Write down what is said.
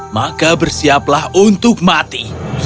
maka bersiaplah untuk mati